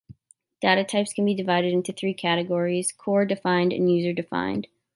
Data types can be divided into three categories: core, defined, and user-defined.